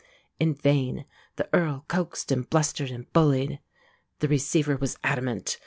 In vain the Earl coaxed and blustered and bullied. The receiver was adamant.